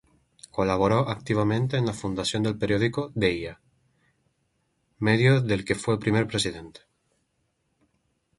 Colaboró activamente en la fundación del periódico "Deia", medio del que fue primer presidente.